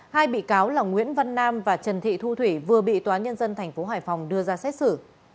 hai bị cáo là nguyễn văn nam và trần thị thu thủy vừa bị tòa nhân dân tp hải phòng đưa ra xét xử